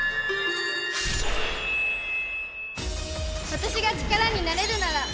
私が力になれるなら！